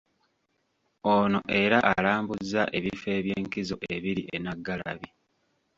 Ono era abalambuzza ebifo eby'enkizo ebiri e Naggalabi.